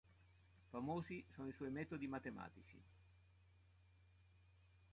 Famosi sono i suoi metodi matematici.